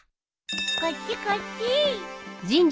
こっちこっち。